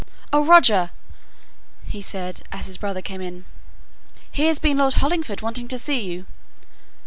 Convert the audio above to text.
"Oh, Roger!" he said, as his brother came in, "here's been Lord Hollingford wanting to see you."